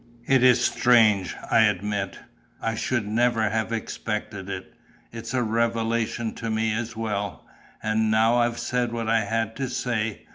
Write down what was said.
It is strange, I admit: I should never have expected it. It's a revelation to me as well.... And now I've said what I had to say.